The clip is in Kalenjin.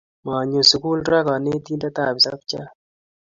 Manyo sukul ra kanetindet ap isapchat.